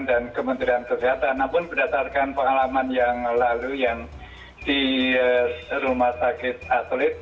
dan kementerian kesehatan namun berdasarkan pengalaman yang lalu yang di rumah sakit atlet